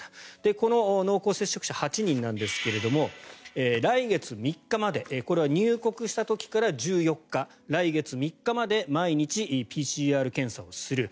この濃厚接触者８人ですが来月３日までこれは入国した時から１４日来月３日まで毎日ＰＣＲ検査をする。